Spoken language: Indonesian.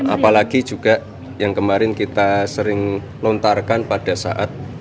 apalagi juga yang kemarin kita sering lontarkan pada saat